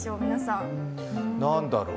何だろう。